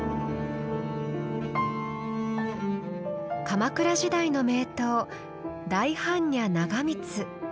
鎌倉時代の名刀「大般若長光」。